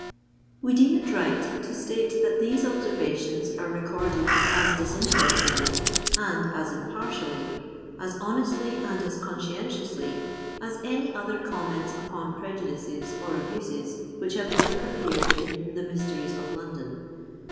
We deem it right to state that these observations are recorded as disinterestedly and as impartially—as honestly and as conscientiously, as any other comments upon prejudices or abuses which have ever appeared in "THE MYSTERIES OF LONDON."